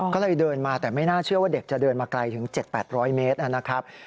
ก็เลยเดินมาแต่ไม่น่าเชื่อว่าเด็กจะเดินมาไกลถึง๗๘๐๐เมตรนะครับ